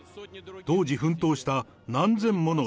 当時奮闘した何千もの